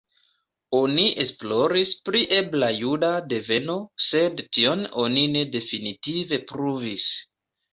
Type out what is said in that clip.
Oni esploris pri ebla juda deveno, sed tion oni ne definitive pruvis.